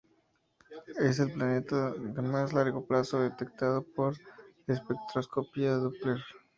Es el planeta de más largo plazo detectado por espectroscopia Doppler.